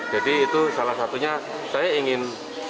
jadi itu salah satunya saya ingin